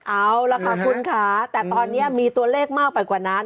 เอาล่ะค่ะคุณค่ะแต่ตอนนี้มีตัวเลขมากไปกว่านั้น